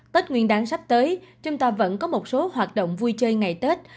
tết nguyên đáng sắp tới chúng ta vẫn có một số hoạt động vui chơi ngày tết